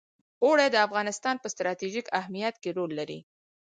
اوړي د افغانستان په ستراتیژیک اهمیت کې رول لري.